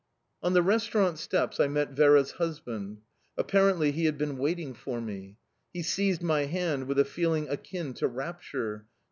On the restaurant steps I met Vera's husband. Apparently he had been waiting for me. He seized my hand with a feeling akin to rapture.